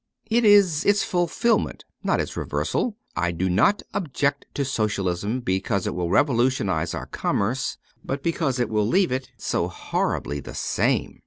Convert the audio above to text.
It is its fulfilment, not its reversal. I do not object to Socialism, because it will revolutionize our commerce, but because it will leave it so horribly the same.